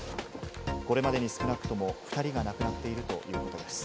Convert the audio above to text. これまでに少なくとも２人が亡くなっているということです。